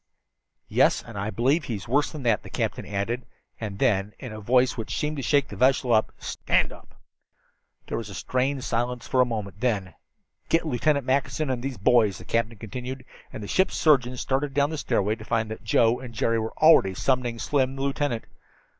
"Yes, and I believe he's worse than that," the captain added; and then, in a voice which seemed to shake the vessel: "Stand up!" There was a strained silence for a moment. Then "Get Lieutenant Mackinson and those boys," the captain continued, and the ship's surgeon started down the stairway to find that Joe and Jerry already were summoning Slim and the lieutenant.